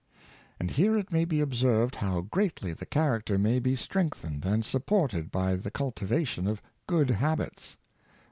And here it may be observed how greatly the char acter may be strengthened and supported by the culti vation of good habits.